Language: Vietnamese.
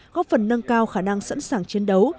góp phần nâng cao khả năng sẵn sàng chiến đấu